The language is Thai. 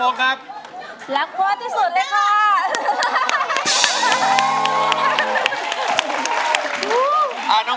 ล้อมได้ให้ร้าน